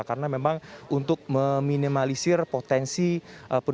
karena memang untuk meminimalisir potensi penumpang